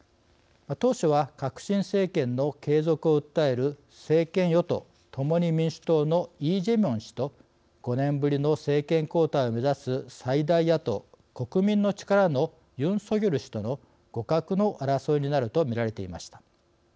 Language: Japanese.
当初は、革新政権の継続を訴える政権与党、共に民主党のイ・ジェミョン氏と５年ぶりの政権交代を目指す最大野党、国民の力のユン・ソギョル氏との互角の争いになるとみられていました。